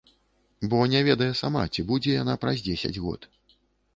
Бо не ведае сама, ці будзе яна праз дзесяць год.